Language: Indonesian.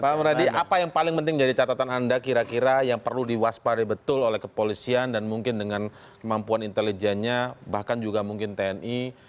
pak muradi apa yang paling penting jadi catatan anda kira kira yang perlu diwaspari betul oleh kepolisian dan mungkin dengan kemampuan intelijennya bahkan juga mungkin tni